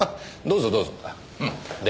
どうぞどうぞ。